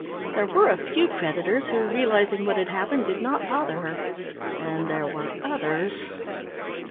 There were a few creditors who, realising what had happened, did not bother her, and there were others....